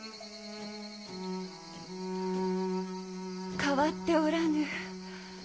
変わっておらぬ。